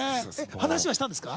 話はしたんですか？